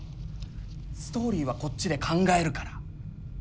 ストーリーはこっちで考えるから。